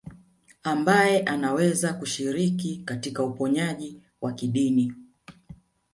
Ambaye anaweza kushiriki katika uponyaji wa kidini